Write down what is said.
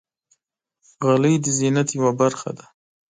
غلۍ د زینت یوه برخه ده.